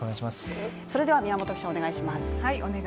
それでは宮本記者、お願いします。